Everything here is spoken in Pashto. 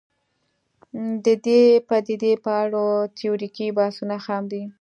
د دې پدیدې په اړه تیوریکي بحثونه خام دي